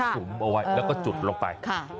สุมเอาไว้แล้วก็จุดลงไป